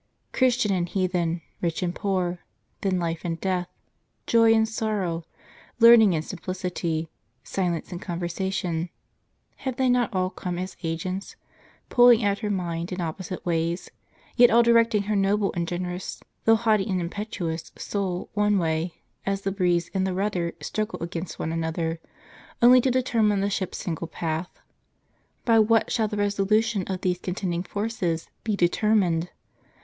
Christian and heathen, rich and poor ; then life and death, joy and sorrow, learning and simplicity, silence and conversation, have they not all come as agents, pulling at her mind in oi^posite ways, yet all directing her noble and generous, though haughty and impetuous, soul one way, as the breeze and the rudder struggle against one another, only to determine the ship's single path? By what shall the reso lution of these contending forces be determined